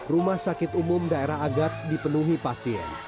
rumah sakit umum daerah agats dipenuhi pasien